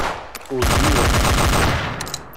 Ugiɣ.